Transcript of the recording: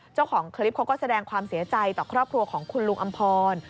เจ้าของคลิปเขาก็แสดงความเสียใจต่อครอบครัวของคุณลุงอำพร